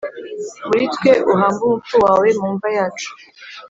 Muri twe uhambe umupfu wawe mu mva yacu